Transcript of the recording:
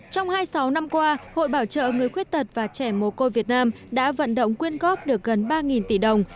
trong hai mươi sáu năm qua hội bảo trợ người khuyết tật và trẻ mồ côi việt nam đã vận động quyên góp được gần ba tỷ đồng